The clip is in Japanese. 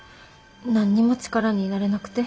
何にも力になれなくて。